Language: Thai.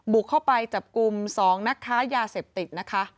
บุกเข้าไปจับกลุ่ม๒นักค้ายาเสพติดนะคะ